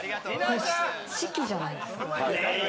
四季じゃないですか？